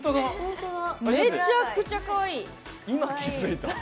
めっちゃくちゃかわいい！